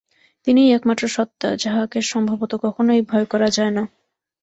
তিনিই একমাত্র সত্তা, যাহাকে সম্ভবত কখনই ভয় করা যায় না।